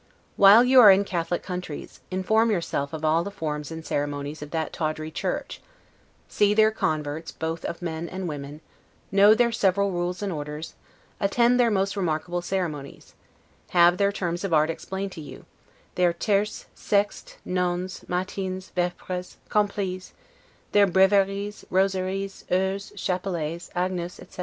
While you are in Catholic countries, inform yourself of all the forms and ceremonies of that tawdry church; see their converts both of men and women, know their several rules and orders, attend their most remarkable ceremonies; have their terms of art explained to you, their 'tierce, sexte, nones, matines; vepres, complies'; their 'breviares, rosaires, heures, chapelets, agnus', etc.